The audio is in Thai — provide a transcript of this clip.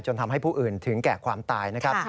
ทำให้ผู้อื่นถึงแก่ความตายนะครับ